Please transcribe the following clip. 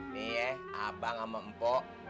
nih abang sama mpok